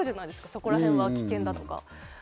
そこらへんが危険だとか。